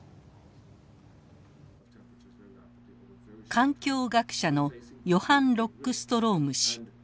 環境学者のヨハン・ロックストローム氏。